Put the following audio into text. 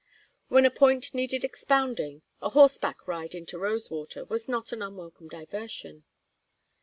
When a point needed expounding, a horseback ride into Rosewater was not an unwelcome diversion.